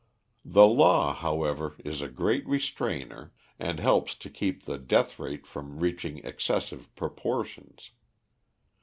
The law, however, is a great restrainer, and helps to keep the death rate from reaching excessive proportions.